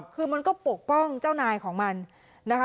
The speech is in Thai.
คือมันก็ปกป้องเจ้านายของมันนะคะ